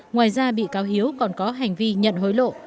ngoài ra bị cáo hiếu còn có hành vi nhận hối lộ